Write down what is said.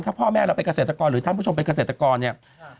ถ้าพ่อแม่เราเป็นเกษตรกรหรือท่านผู้ชมเป็นเกษตรกรเนี่ย